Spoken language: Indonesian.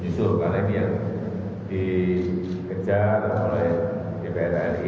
justru karena ini yang dikejar oleh dpr ri